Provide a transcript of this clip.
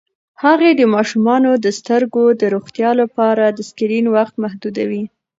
هغې د ماشومانو د سترګو د روغتیا لپاره د سکرین وخت محدودوي.